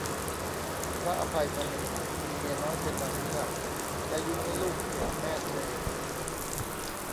พระอภัยมณี มีเมียน้อยเป็นนางเงือก แล้วยุให้ลูกเกลียดแม่ตัวเอง